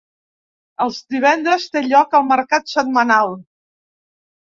Els divendres té lloc el mercat setmanal.